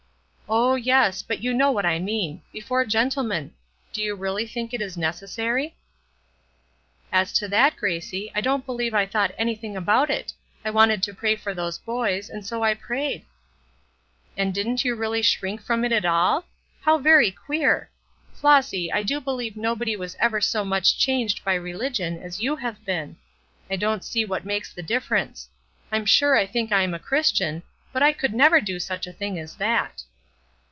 "Oh, yes; but you know what I mean before gentlemen. Do you really think it is necessary?" "As to that, Gracie, I don't believe I thought anything about it. I wanted to pray for those boys, and so I prayed." "And didn't you really shrink from it at all? How very queer! Flossy, I do believe nobody was ever so much changed by religion as you have been. I don't see what makes the difference. I'm sure I think I'm a Christian, but I could never do such a thing as that."